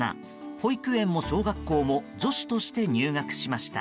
保育園も小学校も女子として入学しました。